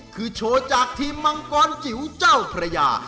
คือโชว์จากทีมมังกรจิ๋วเจ้าพระยา